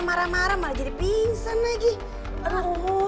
nanti aku jalan aja